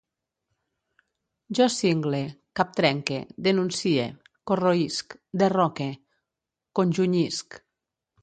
Jo cingle, captrenque, denuncie, corroïsc, derroque, conjunyisc